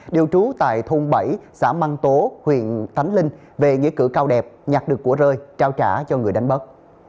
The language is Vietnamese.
điều trú tại thôn bảy xã măng tố huyện tánh linh về giới cử cao đẹp nhặt được của rơi trao trả cho người đánh bất